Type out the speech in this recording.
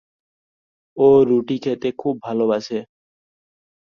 ও রুটি খেতে খুব ভালোবাসে।